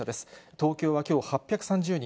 東京はきょう、８３０人。